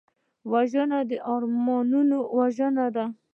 وژنه د ارمانونو وژنه ده